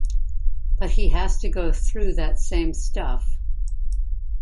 But he has to go through that same stuff.